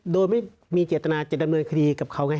โดยไม่มีเจตนาจะดำเนินคดีกับเขาไง